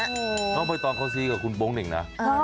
ต้องไปตอนข้อซีกับคุณโป๊งหนึ่งนะ